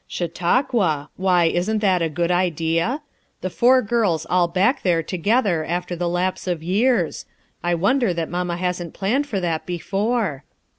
"Chautauqua! why isn't that a good idea? The 'four girls' all hack there together after the lapse of years. I wonder that Mamma hasn't planned for that, before."